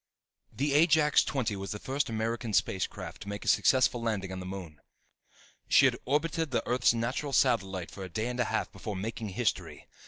_ The Ajax XX was the first American space craft to make a successful landing on the moon. She had orbited the Earth's natural satellite for a day and a half before making history.